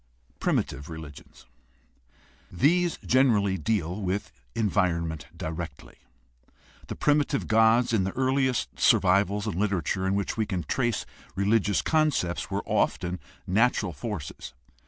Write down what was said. a) Primitive religions.— These generally deal with environment directly. The primitive gods in the earliest survivals and literature in which we can trace religious con cepts were often natural forces.